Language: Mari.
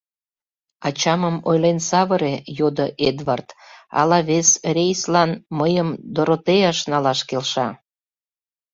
— Ачамым ойлен савыре, — йодо Эдвард, — ала вес рейслан мыйым “Доротеяш” налаш келша.